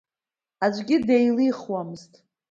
Аӡәгьы деилихуамызт.